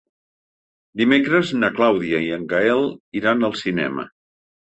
Dimecres na Clàudia i en Gaël iran al cinema.